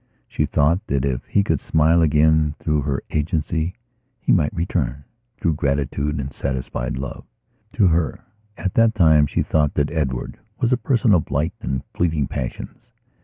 She thought that if he could smile again through her agency he might return, through gratitude and satisfied loveto her. At that time she thought that Edward was a person of light and fleeting passions.